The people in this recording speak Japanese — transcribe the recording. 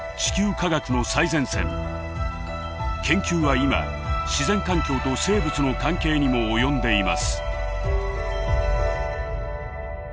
研究は今自然環境と生物の関係にも及んでいます。